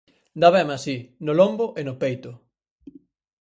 dábame así, no lombo e no peito...